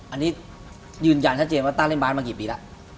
อันนี้ยืนยันชัดเจนว่าต้าเล่นบาสมากี่ปีแล้ว